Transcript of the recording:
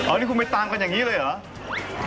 อันนี้คุณไปตามกันอย่างนี้เลยเหรอ